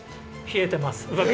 冷えてます。